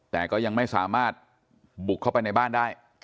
แต่ก็ยังไม่สามารถบุกเข้าไปในบ้านได้